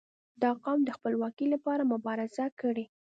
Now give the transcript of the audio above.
• دا قوم د خپلواکي لپاره مبارزه کړې.